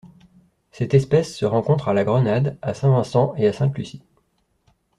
Cette espèce se rencontre à la Grenade, à Saint-Vincent et à Sainte-Lucie.